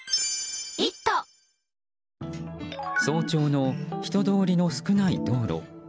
早朝の人通りの少ない道路。